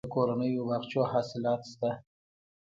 د کورنیو باغچو حاصلات شته